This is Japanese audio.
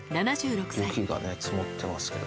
雪がね積もってますけど。